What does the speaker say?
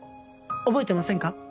覚えてませんか？